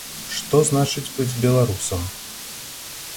Што значыць быць беларусам?